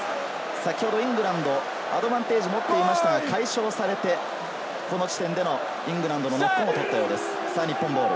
先ほど、イングランド、アドバンテージを持っていましたが解消されてこの地点でのイングランドのノックオンを取ったようです。